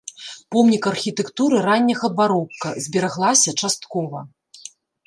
Помнік архітэктуры ранняга барока, збераглася часткова.